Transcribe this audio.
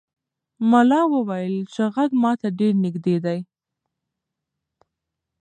ملا وویل چې غږ ماته ډېر نږدې دی.